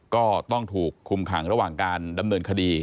ก็ต้องถูกคุมขังระหว่างการดำเนินคดี